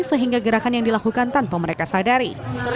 sehingga gerakan yang dilakukan tanpa mereka sadari